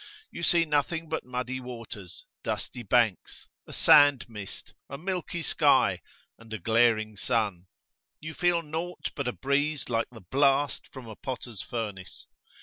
You see nothing but muddy waters, dusty banks, a sand mist, a milky sky, and a glaring sun: you feel nought but a breeze like the blast from a potter's furnace.